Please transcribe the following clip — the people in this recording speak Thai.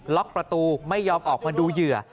ล็อกประตูไม่ยอมออกมาดูเหยื่อ